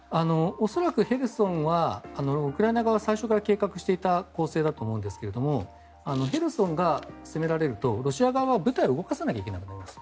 恐らく、ヘルソンはウクライナ側最初から計画していた攻勢だと思うんですがヘルソンが攻められるとロシア側は部隊を動かさないといけなくなります。